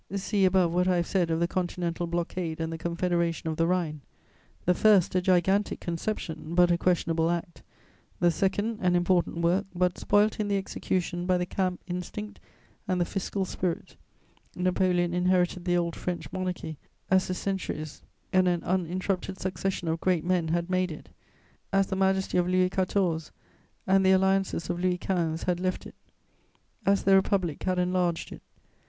See above what I have said of the Continental Blockade and the Confederation of the Rhine: the first, a gigantic conception, but a questionable act; the second, an important work, but spoilt in the execution by the camp instinct and the fiscal spirit Napoleon inherited the old French monarchy as the centuries and an uninterrupted succession of great men had made it, as the majesty of Louis XIV. and the alliances of Louis XV. had left it, as the Republic had enlarged it.